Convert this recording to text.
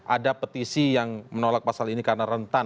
ada petisi yang menolak pasal ini karena rentan